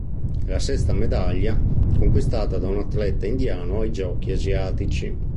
È la sesta medaglia conquistata da un atleta indiano ai Giochi asiatici.